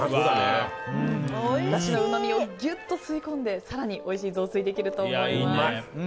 だしのうまみをぎゅっと吸い込んで更においしい雑炊ができると思います。